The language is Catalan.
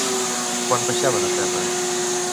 Quan baixaven a terra?